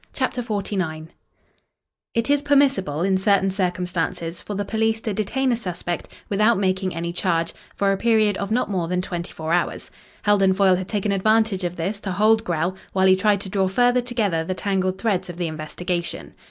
CHAPTER XLIX It is permissible in certain circumstances for the police to detain a suspect, without making any charge, for a period of not more than twenty four hours. Heldon Foyle had taken advantage of this to hold Grell while he tried to draw further together the tangled threads of the investigation.